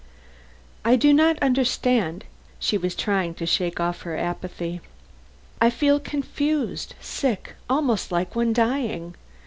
"I do not understand " She was trying to shake off her apathy. "I feel confused, sick, almost like one dying.